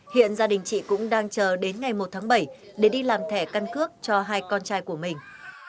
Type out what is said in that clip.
hiện gia đình chị cũng đang chờ đến ngày một tháng bảy để đi làm thẻ căn cước cho hai con trai của mình